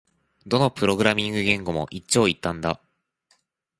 どのプログラミング言語も一長一短だ